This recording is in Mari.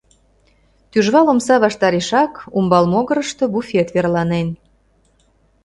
Тӱжвал омса ваштарешак, умбал могырышто, буфет верланен.